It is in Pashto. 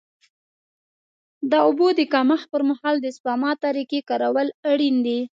د اوبو د کمښت پر مهال د سپما طریقې کارول اړین دي.